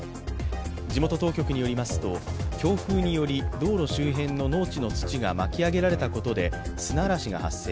地元当局によりますと、強風により道路周辺の農地の土が巻き上げられたことで砂嵐が発生。